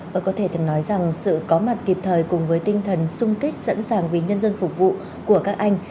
và có thể thật nói rằng sự có mặt kịp thời cùng với tinh thần sung kích dẫn dàng vì nhân dân phục vụ của các anh